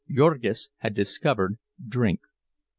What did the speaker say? Jurgis had discovered drink.